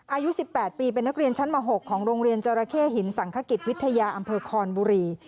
อายุ๑๘ปีเป็นนักเรียนชั้นม๖ของโรงเรียนจราเข้หินสังขกิจวิทยาอำเภอคอนบุรี